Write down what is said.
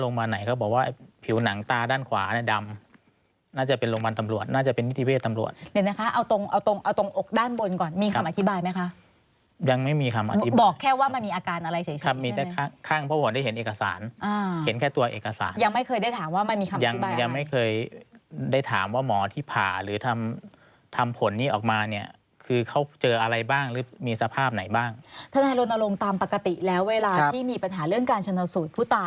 ลงมาไหนเขาบอกว่าผิวหนังตาด้านขวาเนี้ยดำน่าจะเป็นโรงพยาบาลตำรวจน่าจะเป็นพิธีเพศตำรวจเดี๋ยวนะคะเอาตรงเอาตรงเอาตรงอกด้านบนก่อนมีคำอธิบายไหมคะยังไม่มีคำอธิบายบอกแค่ว่ามันมีอาการอะไรเฉยเฉยใช่ไหมครับมีแต่ข้างเพราะว่าได้เห็นเอกสารอ่าเห็นแค่ตัวเอกสารยังไม่เคยได้ถามว่